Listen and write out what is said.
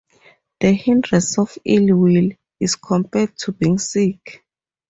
The hindrance of ill will is compared to being sick.